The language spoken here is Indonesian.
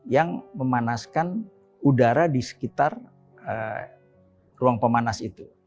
yang memanaskan udara di sekitar ruang pemanas itu